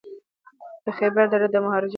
د خیبر دره د مهاراجا په واک کي ده.